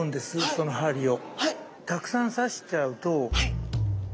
その針を。